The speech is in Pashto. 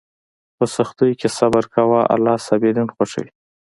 په سختیو کې صبر کوه، الله صابرین خوښوي.